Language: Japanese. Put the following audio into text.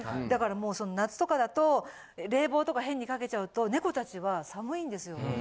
だからもう夏とかだと冷房とか変にかけちゃうと猫たちは寒いんですよ。